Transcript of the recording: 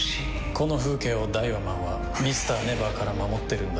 この風景をダイワマンはＭｒ．ＮＥＶＥＲから守ってるんだ。